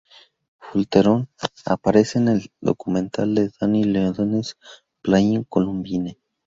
Fullerton aparece en el documental de Danny Ledonne’s Playing Columbine.